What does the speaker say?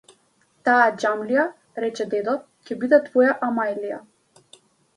Таа џамлија, рече дедо, ќе биде твоја амајлија.